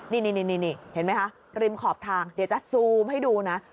นี่เห็นไหมคะริมขอบทางเดี๋ยวจะซูมให้ดูนะ